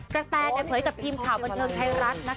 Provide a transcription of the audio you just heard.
กระแตเผยกับพิมพ์ข่าวบันเทิงให้รักนะคะ